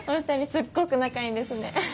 すっごく仲いいんですね！